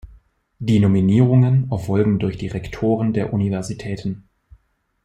Die Nominierungen erfolgen durch die Rektoren der Universitäten.